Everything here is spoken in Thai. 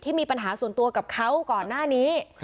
มีปัญหาส่วนตัวกับเขาก่อนหน้านี้